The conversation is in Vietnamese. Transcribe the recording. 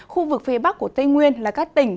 khu vực phía bắc của tây nguyên là các tỉnh